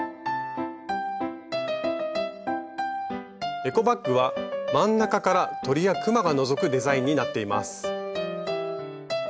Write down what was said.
エコバッグは真ん中から鳥やくまがのぞくデザインになっています。